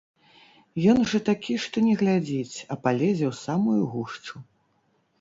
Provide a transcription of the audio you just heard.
Ён жа такі, што не глядзіць, а палезе ў самую гушчу.